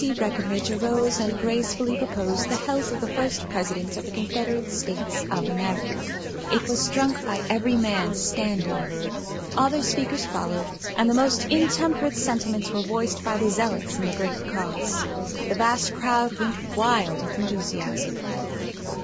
Breckenridge arose and gracefully proposed the health of the first President of the Confederate States of America. It was drunk by every man, standing. Other speakers followed, and the most intemperate sentiments were voiced by the zealots in the great cause. The vast crowd went wild with enthusiasm.